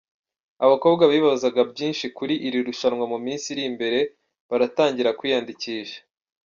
Abakobwa bibazaga byinshi ku iri rushanwa mu minsi iri imbere baratangira kwiyandikisha.